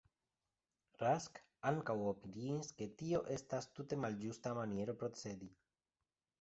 Rask ankaŭ opiniis ke tio estas tute malĝusta maniero procedi.